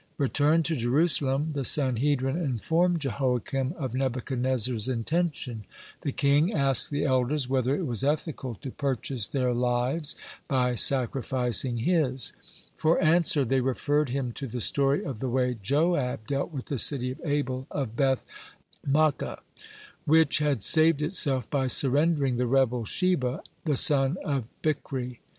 Returned to Jerusalem, the Sanhedrin informed Jehoiakim of Nebuchadnezzar's intention. The king asked the elders, whether it was ethical to purchase their lives by sacrificing his. For answer they referred him to the story of the way Joab dealt with the city of Abel of Beth maacah, which had saved itself by surrendering the rebel Sheba, the son of Bichri.